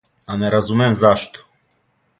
А не разумем зашто.